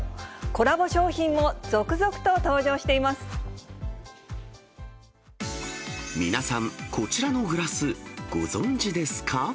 コラボ商品も続々と登場していま皆さん、こちらのグラス、ご存じですか？